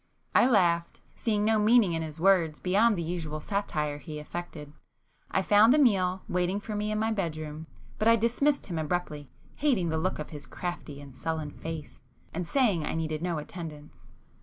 I laughed, seeing no meaning in his words beyond the usual satire he affected. I found Amiel, waiting for me in my bedroom, but I dismissed him abruptly, hating the look of his crafty and sullen face, and saying I needed no attendance.